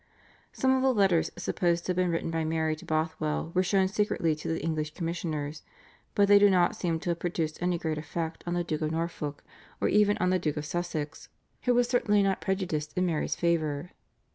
Some of the letters supposed to have been written by Mary to Bothwell were shown secretly to the English commissioners, but they do not seem to have produced any great effect on the Duke of Norfolk or even on the Duke of Sussex who was certainly not prejudiced in Mary's favour.